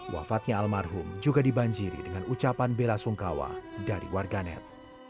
wafatnya almarhum juga dibanjiri dengan ucapan bela sungkawa dari warganet